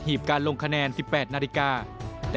การลงคะแนน๑๘นาฬิกา